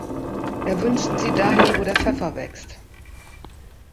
Er wünscht sie dahin, wo der Pfeffer wächst.